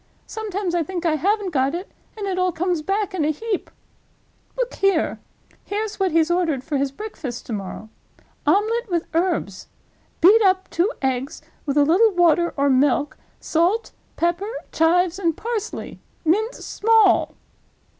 Sometimes I think I haven't got it, and it all comes back in a heap. Look here! Here's what he's ordered for his breakfast to morrow: 'Omelette with Herbs. Beat up two eggs with a little water or milk, salt, pepper, chives, and parsley. Mince small.